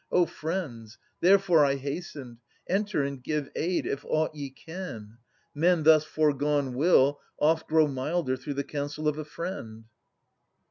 O friends, — Therefore I hastened, — enter and give aid If aught ye can ! Men thus forgone will oft Grow milder through the counsel of a friend.